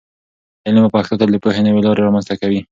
علم په پښتو تل د پوهې نوې لارې رامنځته کوي.